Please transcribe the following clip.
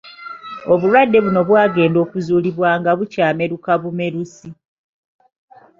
Obulwadde buno bwagenda okuzuulibwa nga bukyameruka bumerusi.